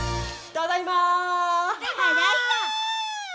ただいま！